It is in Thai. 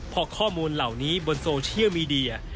พอข้อมูลเหล่านี้บนโซเชียลมีเดีย